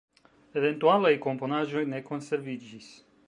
Eventualaj komponaĵoj ne konserviĝis.